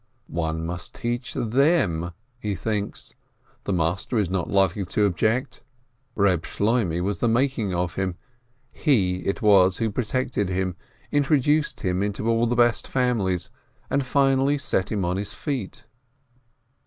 One must teach them, he thinks. The master is not likely to object. Reb Shloimeh was the making of him, he it was who protected him, introduced him into all the best families, and finally set him on his feet.